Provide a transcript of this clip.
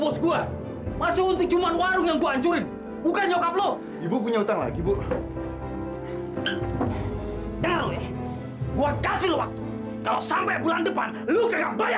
sampai jumpa di video selanjutnya